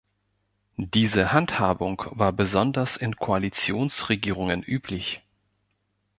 Diese Handhabung war besonders in Koalitionsregierungen üblich.